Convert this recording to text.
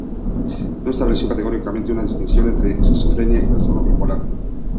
No estableció categóricamente una distinción entre esquizofrenia y trastorno bipolar.